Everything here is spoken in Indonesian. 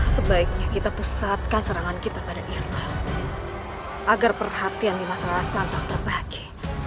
sebaiknya kita pusatkan serangan kita pada irla agar perhatian di masalah santak terbagi